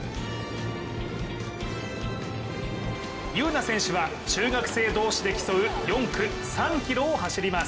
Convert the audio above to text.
優苗選手は中学生同士で競う４区、３ｋｍを走ります。